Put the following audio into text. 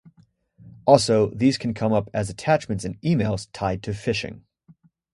Also, these can come up as attachments in emails tied to phishing.